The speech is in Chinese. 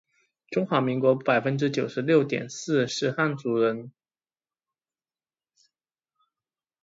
中华民国百分之九十六点四是汉族人